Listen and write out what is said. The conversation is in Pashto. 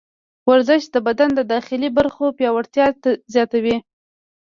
ورزش د بدن د داخلي برخو پیاوړتیا زیاتوي.